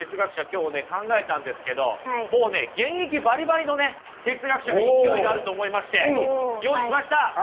今日ね考えたんですけどもうね現役バリバリのね哲学者が勢いがあると思いまして用意しました！